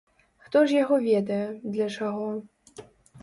Хто ж яго ведае, для чаго.